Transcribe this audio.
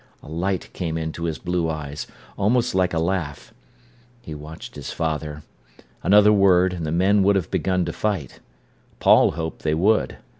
A light came into his blue eyes, almost like a laugh. He watched his father. Another word, and the men would have begun to fight. Paul hoped they would.